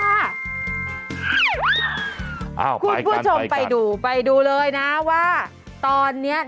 อ้าวไปกันไปกันคุณผู้ชมไปดูไปดูเลยนะว่าอ้าวไปกันไปกัน